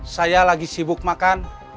saya lagi sibuk makan